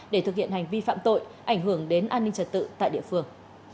để thực hiện hành vi phạm tội ảnh hưởng đến an ninh trật tự tại địa phương